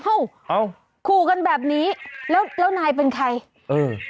เอ้าเอ้าขู่กันแบบนี้แล้วแล้วนายเป็นใครเออ